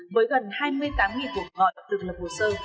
với gần hai mươi tám cuộc gọi được lập hồ sơ